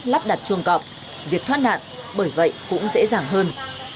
lắp đặt chuồng cọp việc thoát nạn bởi vậy cũng dễ dàng hơn